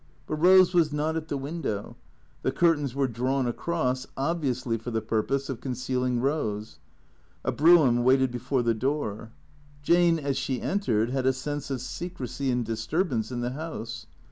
But Rose was not at the window. The curtains were drawn across, obviously for the purpose of concealing Rose. A brougham waited before the door. Jane, as she entered, had a sense of secrecy and disturbance in the house.